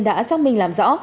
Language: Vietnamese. đã xác minh làm rõ